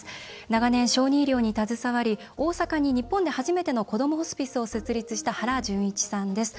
長年、小児医療に携わり大阪に日本で初めてのこどもホスピスを設立した原純一さんです。